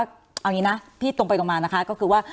เอาอย่างนี้นะพี่ตรงไปตรงมานะคะก็คือว่า